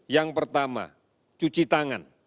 yang pertama cuci tangan